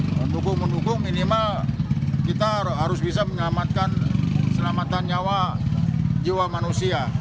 mendukung mendukung minimal kita harus bisa menyelamatkan selamatan nyawa jiwa manusia